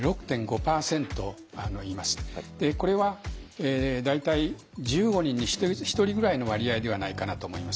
これは大体１５人に１人ぐらいの割合ではないかなと思います。